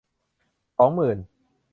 สองหมื่น